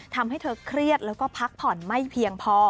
ทำให้เธอเครียดแล้วก็พักผ่อนไม่เพียงพอ